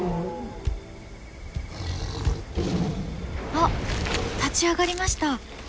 あっ立ち上がりました。